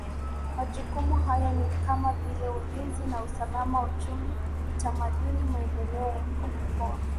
majukumu hayo ni kama vile Ulinzi na usalama uchumi utamaduni maendeleo ya Mkoa